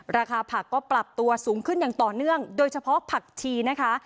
ราคาผักก็ปรับตัวสูงขึ้นอย่างต่อเนื่องโดยเฉพาะผักชีนะคะ